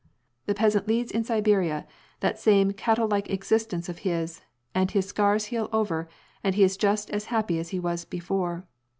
The peasant leads in Siberia that same cattle like existence of his, and his scars heal over and he is just as happy as he was before.